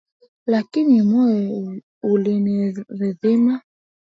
lakini moyo ulinirindima,